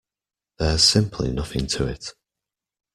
There's simply nothing to it.